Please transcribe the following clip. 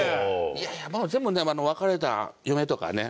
いやいやもう全部ね別れた嫁とかね